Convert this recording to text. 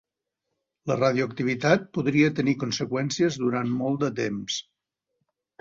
La radioactivitat podria tenir conseqüències durant molt de temps.